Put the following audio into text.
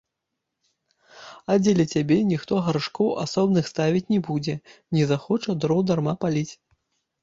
А дзеля цябе ніхто гаршкоў асобных ставіць не будзе, не захоча дроў дарма паліць.